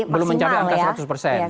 belum mencapai maksimal ya